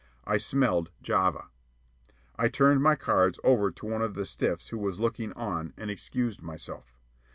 I smelled "Java." I turned my cards over to one of the stiffs who was looking on, and excused myself.